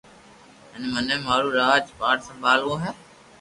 ھي مني مارو راج پاٺ سمڀالووُ ھي